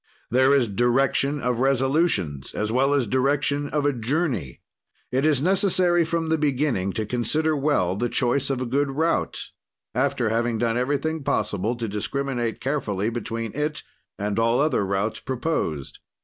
There is direction of resolutions as well as direction of a journey; it is necessary, from the beginning, to consider well the choice of a good route, after having done everything possible to discriminate carefully between it and all other routes proposed.